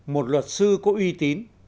một luật sư có uy tín